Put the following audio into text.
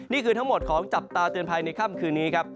นี่คือทั้งหมดของจับตาเตือนภัยในค่ำคืนนี้ครับ